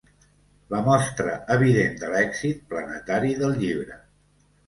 La mostra evident de l'èxit planetari del llibre.